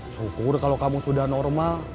syukur kalau kamu sudah normal